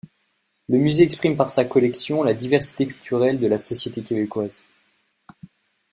Le musée exprime par sa collection, la diversité culturelle de la société québécoise.